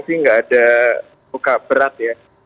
sih nggak ada luka berat ya